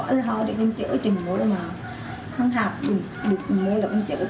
một khỏi là thôi chứ không chữa chừng mùa nào không học được người